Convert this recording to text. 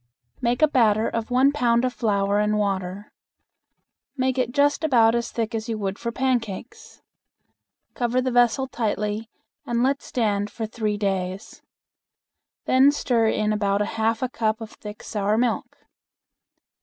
Make a batter of one pound of flour and water. Make it just about as thick as you would for pancakes. Cover the vessel tightly and let stand for three days. Then stir in about a half a cup of thick sour milk.